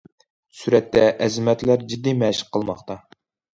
سۈرەتتە: ئەزىمەتلەر جىددىي مەشىق قىلماقتا.